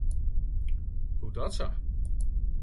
Hoedatsa?